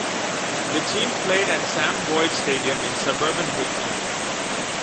The team played at Sam Boyd Stadium in suburban Whitney.